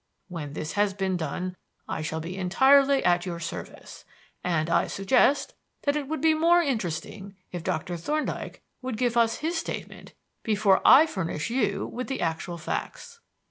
When this has been done I shall be entirely at your service; and I suggest that it would be more interesting if Doctor Thorndyke would give us his statement before I furnish you with the actual facts."